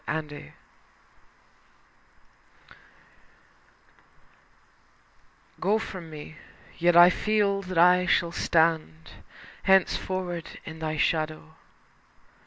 VI Go from me. Yet I feel that I shall stand Henceforth in thy shadow.